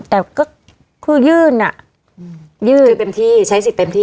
แต่ก็คือยื่นอ่ะยื่นเต็มที่ใช้สิทธิ์เต็มที่